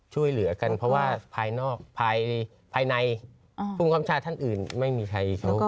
ช่วยเหลือกันเพราะว่าภายนอกภายภายในอ่าภูมิความชาติท่านอื่นไม่มีใครเข้ากล้า